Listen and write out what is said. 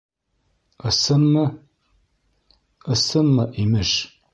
- «Ысынмы?», «Ысынмы?», имеш...